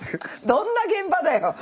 どんな現場だよ！